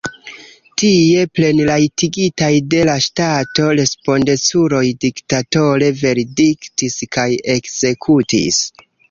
Tie, plenrajtigitaj de la ŝtato, respondeculoj diktatore verdiktis kaj ekzekutis.